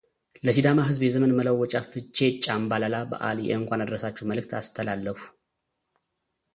ለሲዳማ ሕዝብ የዘመን መለወጫ ፍቼ ጫምባላላ በዓል የእንኳን አደረሳችሁ መልዕክት አስተላለፉ።